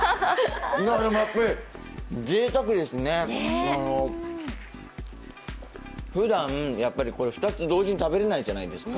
ぜいたくですね、ふだん、２つ同時に食べれないじゃないですか。